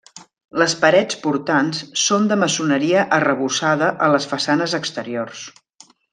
Les parets portants són de maçoneria arrebossada a les façanes exteriors.